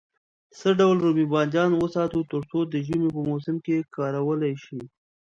څه ډول رومي بانجان وساتو تر څو د ژمي په موسم کې کارول شي.